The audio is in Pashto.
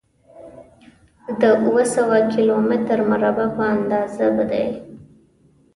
د اووه سوه کيلو متره مربع په اندازه دی.